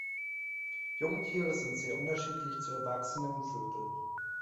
Jungtiere sind sehr unterschiedlich zu erwachsenen Vögeln.